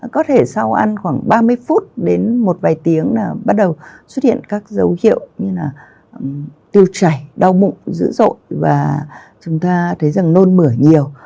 có thể sau ăn khoảng ba mươi phút đến một vài tiếng là bắt đầu xuất hiện các dấu hiệu như là tiêu chảy đau bụng dữ dội và chúng ta thấy rằng nôn mửa nhiều